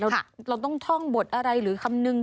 เราต้องท่องบทอะไรหรือคำนึง